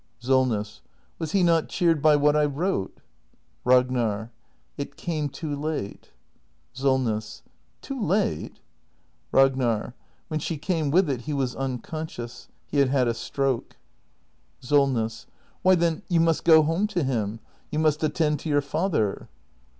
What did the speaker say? SOLNESS. Was he not cheered by what I wrote ? Ragnar. It came too late. SOLNESS. Too late! Ragnar. When she came with it he was unconscious. He had had a stroke. 410 THE MASTER BUILDER [act hi SOLNESS. Why, then, you must go home to him! You must at tend to your father!